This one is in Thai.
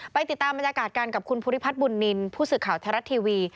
ติดตามบรรยากาศกันกับคุณภูริพัฒน์บุญนินทร์ผู้สื่อข่าวไทยรัฐทีวี